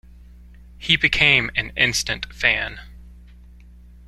He became an instant fan.